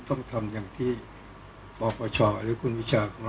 ก็ต้องทำอย่างที่บอกว่าช่องคุณวิชากำลังทำอยู่นั่นนะครับ